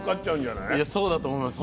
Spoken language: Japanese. そうだと思います。